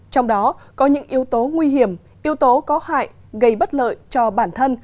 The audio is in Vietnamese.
trong đó có những yếu tố nguy hiểm yếu tố có hại gây bất lợi cho bản thân